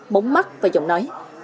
bóng mắt và giọng nói